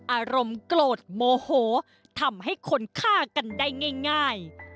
อารมณ์โกรธโมโหทำให้คนฆ่ากันได้ง่าย